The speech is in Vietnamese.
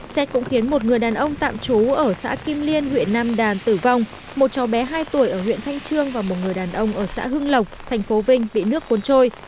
xét cũng khiến một người đàn ông tạm trú ở xã kim liên huyện nam đàn tử vong một cháu bé hai tuổi ở huyện thanh trương và một người đàn ông ở xã hưng lộc thành phố vinh bị nước cuốn trôi